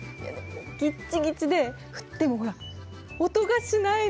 ギッチギチで振ってもほら音がしないの。